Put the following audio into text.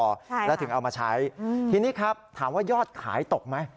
ใช่แล้วถึงเอามาใช้ทีนี้ครับถามว่ายอดขายตกไหม